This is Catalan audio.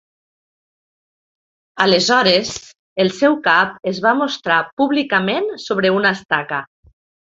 Aleshores, el seu cap es va mostrar públicament sobre una estaca.